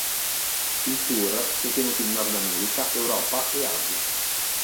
Il tour si è tenuto in Nord America, Europa e Asia.